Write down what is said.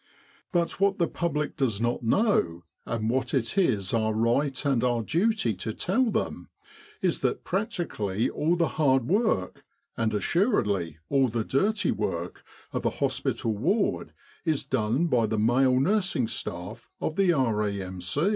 But what the public does not know, and what it is our right and our duty to tell them, is that practically all 242 Military General Hospitals in Egypt the hard work, and assuredly all the dirty work, of a hospital ward is done by the male nursing staff of the R.A.M.